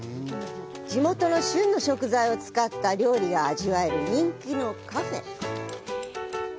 地元の旬の食材を使った料理が味わえる、人気のカフェ。